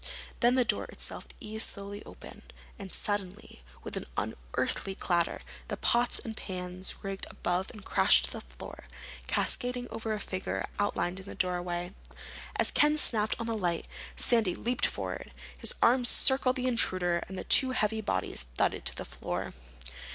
Then the door itself eased slowly open. And suddenly, with an unearthly clatter, the pots and pans rigged above it crashed to the floor, cascading over a figure outlined in the doorway. As Ken snapped on the light, Sandy leaped forward. His arms circled the intruder, and the two heavy bodies thudded to the floor.